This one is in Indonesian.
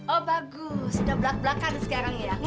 oh bagus sudah belak belakan sekarang ya